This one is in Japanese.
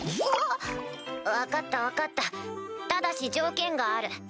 分かった分かったただし条件がある。